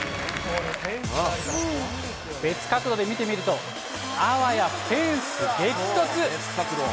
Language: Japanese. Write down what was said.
別角度で見てみると、あわやフェンス激突。